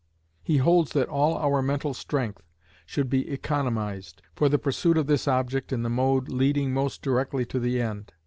He holds that all our mental strength should be economized, for the pursuit of this object in the mode leading most directly to the end.